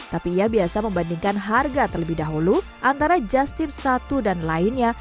tapi ia biasa membandingkan harga terlebih dahulu antara just tips satu dan lainnya